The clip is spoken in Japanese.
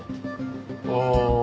ああ。